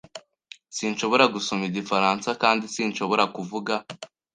Sinshobora gusoma igifaransa, kandi sinshobora kuvuga.